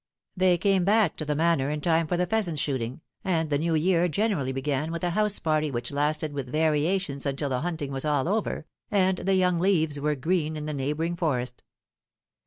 They came back to the Manor in time for the pheasant shooting, and the New Year generally began with a house party which lasted with variations until the hunting was all over, and the young leaves were green in the neighbouring forest.